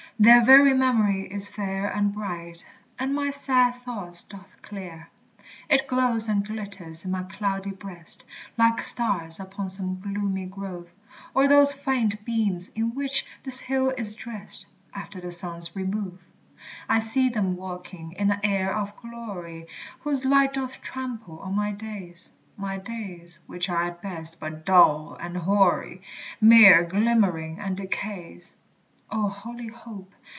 Their very memory is fair and bright, And my sad thoughts doth clear; It glows and glitters in my cloudy breast, Like stars upon some gloomy grove, Or those faint beams in which this hill is drest After the sun's remove. I see them walking in an air of glory, Whose light doth trample on my days, My days which are at best but dull and hoary, Mere glimmering and decays. O holy hope!